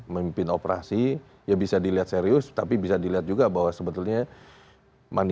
memimpin operasi ya bisa dilihat serius tapi bisa dilihat juga bahwa sebetulnya manila tidak membahas mi